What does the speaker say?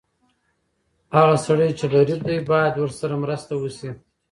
هغه سړی چې غریب دی، باید ورسره مرسته وشي.